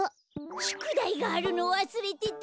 しゅくだいがあるのわすれてた！